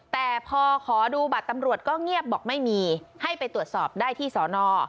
แต่พอขอดูบัตรตำรวจก็เงียบบอกไม่มีให้ไปตรวจสอบได้ที่สอนอ